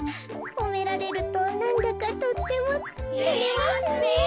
ほめられるとなんだかとってもてれますねえ。